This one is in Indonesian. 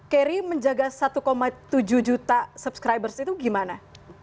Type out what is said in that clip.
keri menjaga satu tujuh juta subscribers itu gimana